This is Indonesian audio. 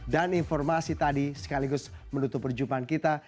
dan informasi tadi sekaligus menutup perjumpaan kita